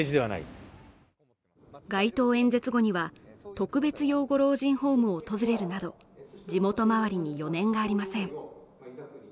特別養護老人ホームを訪れるなど地元周りに余念がありません